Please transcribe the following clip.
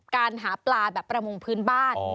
การหาปลาแบบประมงพื้นบ้าน